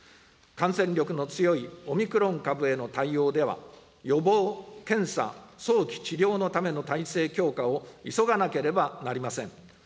感染力の強いオミクロン株への対応では、予防・検査・早期治療のための体制強化を急がなければなりません。